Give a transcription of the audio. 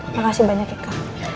makasih banyak eka